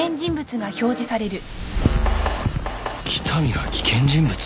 北見が危険人物？